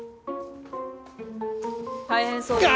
大変そうですね。